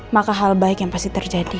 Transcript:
maka hal baik yang pasti terjadi